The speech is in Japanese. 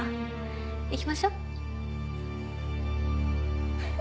行きましょう。